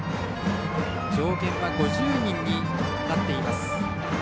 上限は５０人になっています。